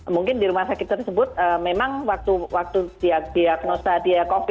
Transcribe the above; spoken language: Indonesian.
mungkin di rumah sakit tersebut memang waktu diagnosa dia covid